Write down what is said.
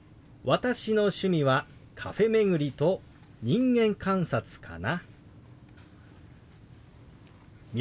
私の趣味はカフェ巡りと人間観察かな。